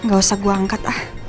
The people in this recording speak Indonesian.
gak usah gue angkat ah